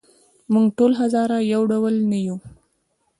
موږ ټول هزاره یو ډول نه یوو.